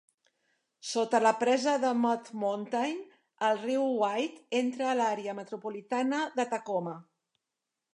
Sota la presa de Mud Mountain, el riu White entra a l'àrea metropolitana de Tacoma.